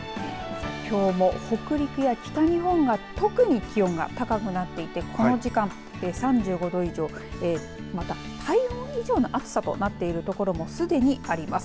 きょうも北陸や北日本は特に気温が高くなっていて、この時間３５度以上また、体温以上の暑さとなっているところもすでにあります。